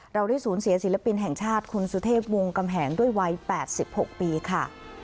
เราได้สูญเสียศิลปินแห่งชาติคุณสุเทพวงกำแหงด้วยวัย๘๖ปีค่ะ